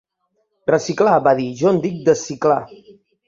"Reciclar, va dir, jo en dic desciclar